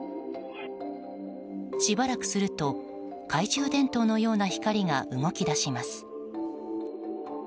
しばらくすると懐中電灯のような光が動き出します。